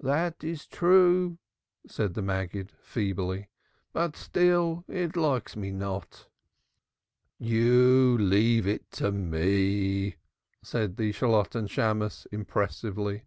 "That is true," said the Maggid feebly. "But still it likes me not." "You leave it to me," said the Shalotten Shammos impressively.